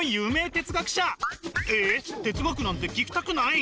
哲学なんて聞きたくない？